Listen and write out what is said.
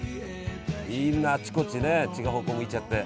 みんなあっちこっちね違う方向向いちゃって。